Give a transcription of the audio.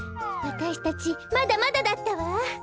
わたしたちまだまだだったわ。